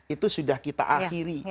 itu sudah kita akhiri